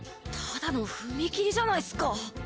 ただの踏切じゃないっすか。